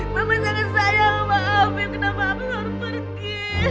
mama sangat sayang sama afif kenapa afif harus pergi